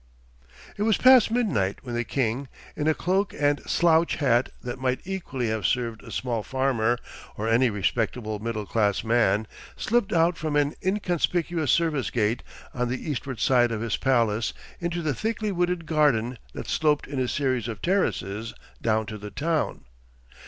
It was past midnight, when the king, in a cloak and slouch hat that might equally have served a small farmer, or any respectable middle class man, slipped out from an inconspicuous service gate on the eastward side of his palace into the thickly wooded gardens that sloped in a series of terraces down to the town.